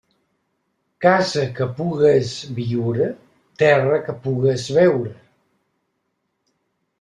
Casa que pugues viure, terra que pugues veure.